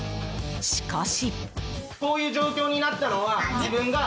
しかし。